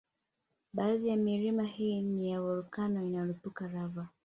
Baadhi ya milima hii ni ya volkano inayolipuka lava